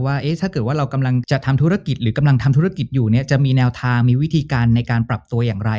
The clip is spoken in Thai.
ว่าถ้าเกิดว่าเรากำลังจะทำธุรกิจหรือกำลังทำธุรกิจอยู่เนี่ยจะมีแนวทางมีวิธีการในการปรับตัวอย่างไร